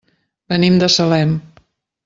Venim de Salem.